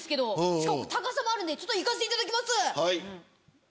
しかも高さもあるんでちょっといかせていただきます。